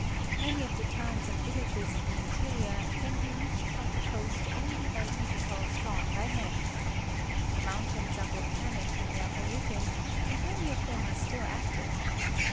Many of the towns and villages in the interior can be reached from the coast only by ve hicles drawn by men. The mountains are volcanic in their origin, and many of them are still active.